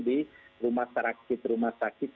di rumah sakit rumah sakit